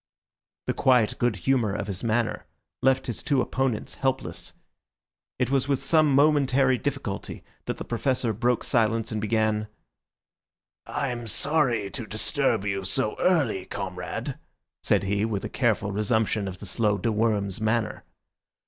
The quiet good humour of his manner left his two opponents helpless. It was with some momentary difficulty that the Professor broke silence and began, "I'm sorry to disturb you so early, comrade," said he, with a careful resumption of the slow de Worms manner.